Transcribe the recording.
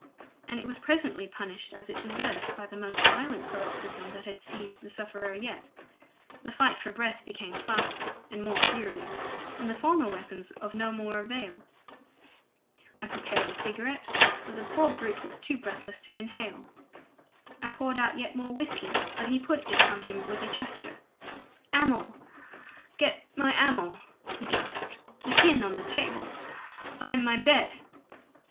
And it was presently punished as it deserved, by the most violent paroxysm that had seized the sufferer yet: the fight for breath became faster and more furious, and the former weapons of no more avail. I prepared a cigarette, but the poor brute was too breathless to inhale. I poured out yet more whiskey, but he put it from him with a gesture. "Amyl get me amyl!" he gasped. "The tin on the table by my bed."